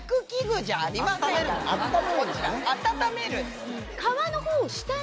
温める。